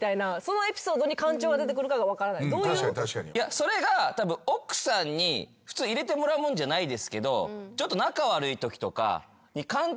それが奥さんに普通入れてもらうもんじゃないですけど。